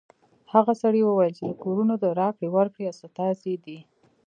هغه سړي ویل چې د کورونو د راکړې ورکړې استازی دی